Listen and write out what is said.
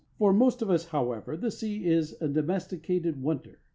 For most of us, however, the sea is a domesticated wonder.